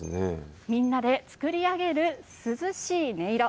みんなで作り上げる涼しい音色。